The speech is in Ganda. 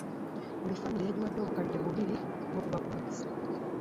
Buli ffamire yagiwadde obukadde bibiri ng'okubakubagiza.